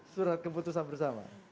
surat keputusan bersama